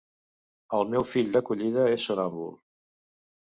El meu fill d'acollida és somnàmbul.